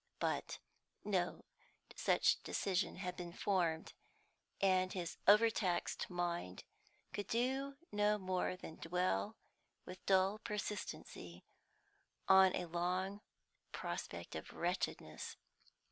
But no such decision had been formed, and his overtaxed mind could do no more than dwell with dull persistency on a long prospect of wretchedness.